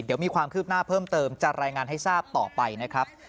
เดี๋ยวมีความคืบหน้าเพิ่มเติมจะรายงานให้ทราบต่อไปนะครับ